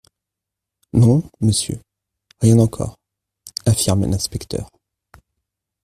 Non, monsieur, rien encore, affirmait l'inspecteur.